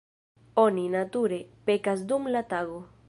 Oni, nature, pekas dum la tago.